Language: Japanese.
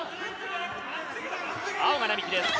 青が並木です。